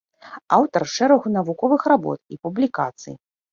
Аўтар шэрагу навуковых работ і публікацый.